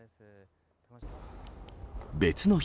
別の日。